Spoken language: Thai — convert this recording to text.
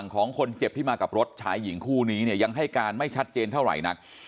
ของคนเจ็บที่มากับรถชายหญิงคู่นี้เนี่ยยังให้การไม่ชัดเจนเท่าไหร่นัก